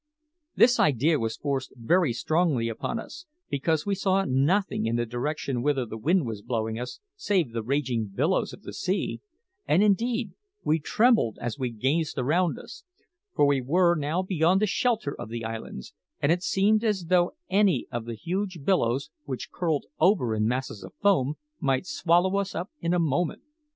This idea was forced very strongly upon us, because we saw nothing in the direction whither the wind was blowing us save the raging billows of the sea; and indeed we trembled as we gazed around us, for we were now beyond the shelter of the islands, and it seemed as though any of the huge billows, which curled over in masses of foam, might swallow us up in a moment.